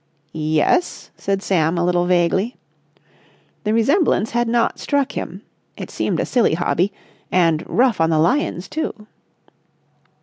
"Yes?" said Sam a little vaguely. The resemblance had not struck him. It seemed a silly hobby, and rough on the lions, too.